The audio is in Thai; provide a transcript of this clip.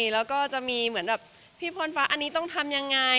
และจะมีแบบพี่พลฟ้าอันนี้ต้องทำยังไง